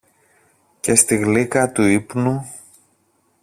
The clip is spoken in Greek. και στη γλύκα του ύπνου